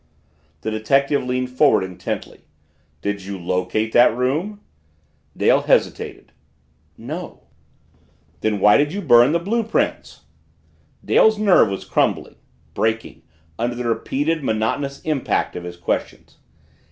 The detective leaned forward intently. "Did you locate that room?" Dale hesitated. "No." "Then why did you burn the blue prints?" Dale's nerve was crumbling breaking under the repeated, monotonous impact of his questions.